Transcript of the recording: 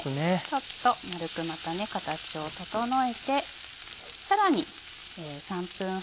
ちょっとまるくまた形を整えてさらに。